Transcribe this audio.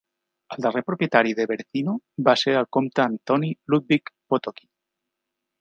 El darrer propietari de Berezino va ser el comte Antoni Ludwik Potocki.